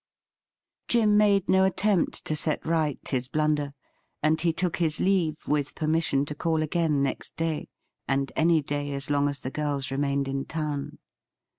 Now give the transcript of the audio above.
Jim made no attempt to set right his blunder, and he took his leave, with permission to call again next day, and any day as long as the girls remained in town.